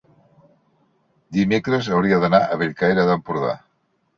dimecres hauria d'anar a Bellcaire d'Empordà.